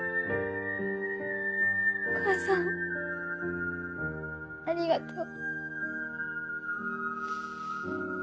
お母さんありがとう。